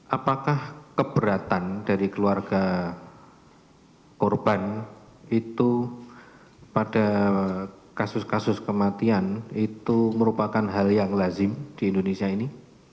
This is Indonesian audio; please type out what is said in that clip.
apakah keberatan dari keluarga korban itu pada kasus kasus kematian itu merupakan hal yang lazim di indonesia ini